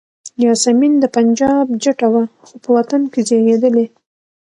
یاسمین د پنجاب جټه وه خو په وطن کې زیږېدلې.